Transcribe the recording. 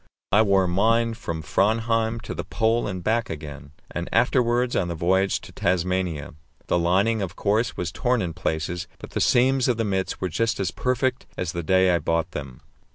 I wore mine from Framheim to the Pole and back again, and afterwards on the voyage to Tasmania. The lining, of course, was torn in places, but the seams of the mits were just as perfect as the day I bought them.